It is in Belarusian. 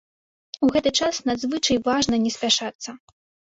І ў гэты час надзвычай важна не спяшацца.